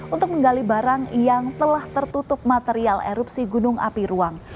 untuk menggali barang yang telah tertutup material erupsi gunung api ruang